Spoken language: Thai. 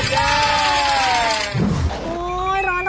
เฮ็ดซีร่าเย้